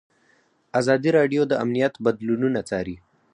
ازادي راډیو د امنیت بدلونونه څارلي.